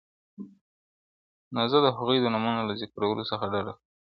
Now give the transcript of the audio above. • نو زه د هغوی د نومونو له ذکرولو څخه ډډه کوم -